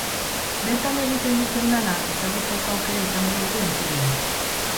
Bertan egiten duten lana ezagutzeko aukera izango dute entzuleek.